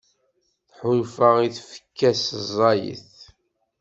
Tḥulfa i tfekka-s ẓẓayet.